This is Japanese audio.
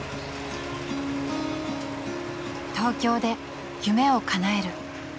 ［東京で夢をかなえる］